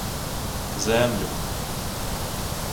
— Землю...